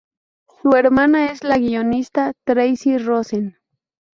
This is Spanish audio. Su hermana es la guionista Tracy Rosen.